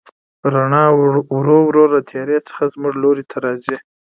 رڼا ورو ورو له تیارې څخه زموږ لوري ته راځي.